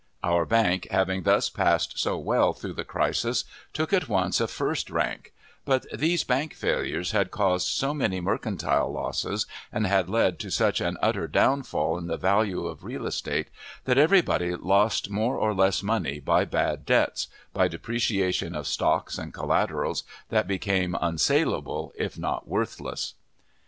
Our bank, having thus passed so well through the crisis, took at once a first rank; but these bank failures had caused so many mercantile losses, and had led to such an utter downfall in the value of real estate, that everybody lost more or less money by bad debts, by depreciation of stocks and collaterals, that became unsalable, if not worthless.